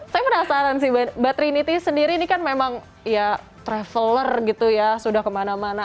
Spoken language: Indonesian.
saya penasaran sih mbak trinity sendiri ini kan memang ya traveler gitu ya sudah kemana mana